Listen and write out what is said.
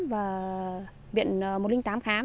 và viện một trăm linh tám khám